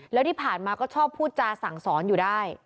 แล้วที่ผ่านมาก็ชอบพูดจาสั่งสอนอยู่ได้